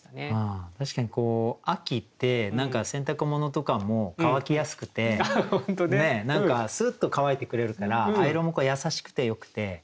確かにこう秋って何か洗濯物とかも乾きやすくて何かスーッと乾いてくれるからアイロンも優しくてよくて。